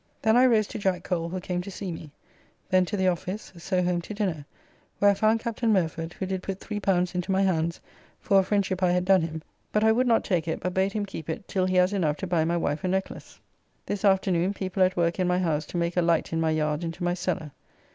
Then I rose to Jack Cole, who came to see me. Then to the office, so home to dinner, where I found Captain Murford, who did put L3 into my hands for a friendship I had done him, but I would not take it, but bade him keep it till he has enough to buy my wife a necklace. This afternoon people at work in my house to make a light in my yard into my cellar.